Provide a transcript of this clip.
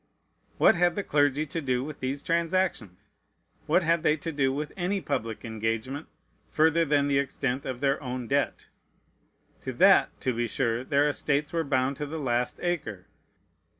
What had the clergy to do with these transactions? What had they to do with any public engagement further than the extent of their own debt? To that, to be sure, their estates were bound to the last acre.